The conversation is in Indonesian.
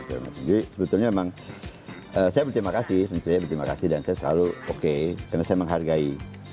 jadi sebetulnya memang saya berterima kasih dan saya selalu oke karena saya menghargai